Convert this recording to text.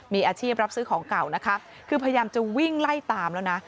มีอาชีพรับซื้อของเก่านะคะคือพยายามจะวิ่งไล่ตามแล้วนะ